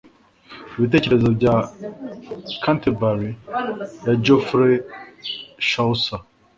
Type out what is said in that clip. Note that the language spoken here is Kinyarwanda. ibitekerezo bya canterbury ya geoffrey chaucer